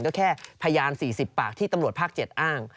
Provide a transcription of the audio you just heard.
ก็แค่พยาน๔๐ปากที่ตำรวจภาค๗อ้าง